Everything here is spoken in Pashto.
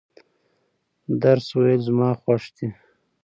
درس ویل زما خوښ دي.